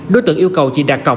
đối tượng yêu cầu chị đặt cọc